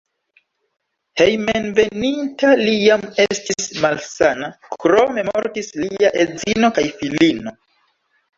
Hejmenveninta li jam estis malsana, krome mortis lia edzino kaj filino.